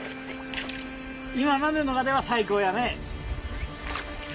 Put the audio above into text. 今までの中では最高やね！